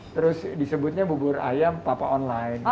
terus disebutnya bubur ayam papa online